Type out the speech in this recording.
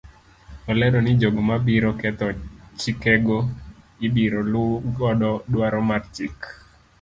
Olero ni jogo mabiro ketho chikego ibiro luu godo dwaro mar chik.